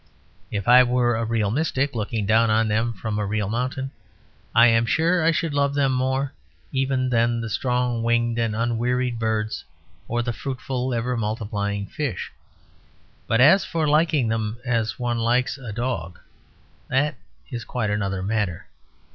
If I were a real mystic looking down on them from a real mountain, I am sure I should love them more even than the strong winged and unwearied birds or the fruitful, ever multiplying fish. But, as for liking them, as one likes a dog that is quite another matter.